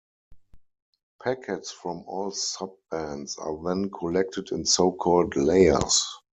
Packets from all sub-bands are then collected in so-called "layers".